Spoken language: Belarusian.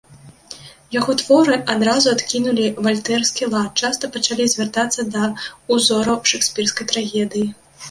Яго творы адразу адкінулі вальтэраўскі лад, часта пачалі звяртацца да ўзораў шэкспіраўскай трагедыі.